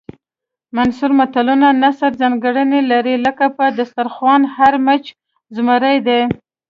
منثور متلونه نثري ځانګړنې لري لکه په دسترخوان هر مچ زمری دی